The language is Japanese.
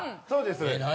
そうです。